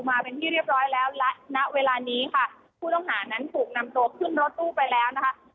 มาเป็นที่เรียบร้อยแล้วณเวลานี้ค่ะผู้ต้องหานั้นถูกนำตัว